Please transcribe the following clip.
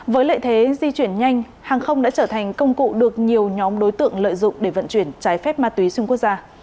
với lợi thế di chuyển nhanh hàng không đã trở thành công cụ được nhiều nhóm đối tượng lợi dụng để vận chuyển trái phép ma túy xuyên quốc gia